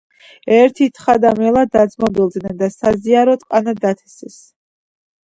ერთი თხა და მელა დაძმობილდნენ და საზიაროდ ყანა დათესეს